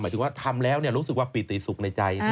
หมายถึงว่าทำแล้วเนี่ยรู้สึกว่าปิติศุกร์ในใจ